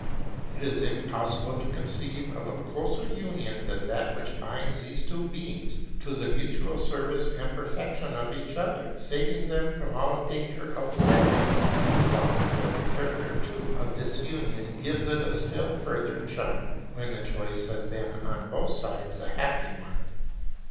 It is impossible to conceive of a closer union than that which binds these two beings to the mutual service and perfection of each other, saving them from all danger of rivalry. The voluntary character too of this union gives it a still further charm, when the choice has been on both sides a happy one.